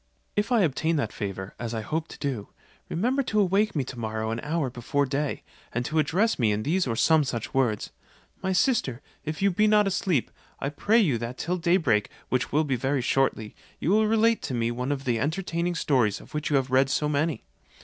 If I obtain that favour, as I hope to do, remember to awake me to morrow an hour before day, and to address me in these or some such words: 'My sister, if you be not asleep, I pray you that till day break, which will be very shortly, you will relate to me one of the entertaining stories of which you have read so many.'